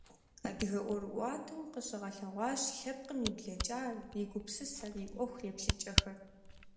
Адыгэ ӀуэрыӀуатэм къыщыгъэлъэгъуащ лъэпкъым и блэкӀар, и гупсысэр, и Ӏуэху еплъыкӀэхэр.